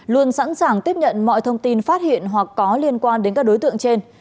luôn sẵn sàng tiếp nhận mọi thông tin phát hiện hoặc có liên quan đến các đối tượng trên